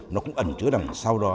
nó cũng ẩn trứa đằng sau đó